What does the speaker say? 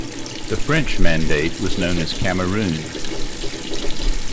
The French mandate was known as Cameroun.